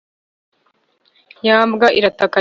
ya mbwa irataka cyane.